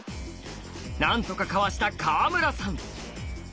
何とかかわした川村さん。